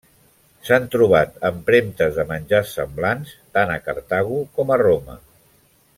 S'han trobat empremtes de menjars semblants tant a Cartago com a Roma.